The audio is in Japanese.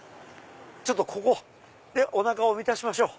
ここでおなかを満たしましょう。